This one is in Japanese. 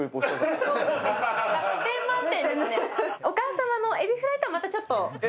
お母様のえびフライとはまたちょっと？